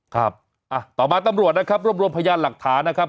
ครับต่อมาตำรวจนะครับรวบรวมพยานหลักฐานนะครับ